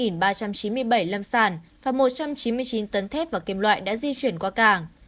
sáu mươi hai ba trăm chín mươi bảy lâm sản và một trăm chín mươi chín tấn thép và kiềm loại đã di chuyển qua cảng